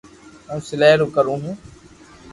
ھون سلائي ڪرو ھون